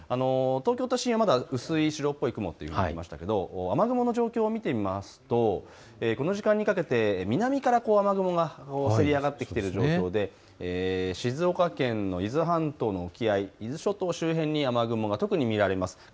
東京都心はまだ、薄い、白っぽい雲と言っていましたけれども雨雲の状況を見てみますとこの時間にかけて南から雨雲がせり上がってきている状況で静岡県の伊豆半島の沖合、伊豆諸島など雨雲が見られます。